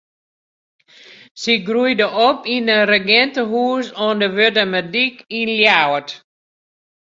Se groeide op yn in regintehûs oan de Wurdumerdyk yn Ljouwert.